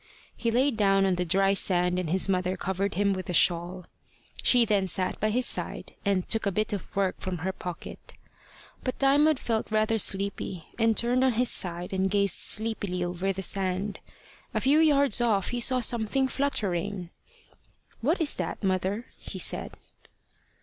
He lay down on the dry sand, and his mother covered him with a shawl. She then sat by his side, and took a bit of work from her pocket. But Diamond felt rather sleepy, and turned on his side and gazed sleepily over the sand. A few yards off he saw something fluttering. "What is that, mother?" he said.